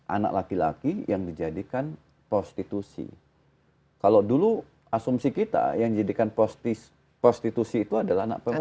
anak laki laki yang dijadikan prostitusi kalau dulu asumsi kita yang dijadikan prostitusi itu adalah anak perempuan